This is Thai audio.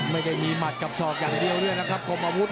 ไม่ได้มีหมัดกับศอกอย่างเดียวด้วยนะครับคมอาวุธ